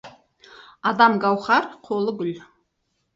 Адам — гауһар, қолы — гүл.